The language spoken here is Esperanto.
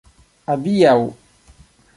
adiaŭ